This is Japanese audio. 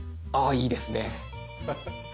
いいですね。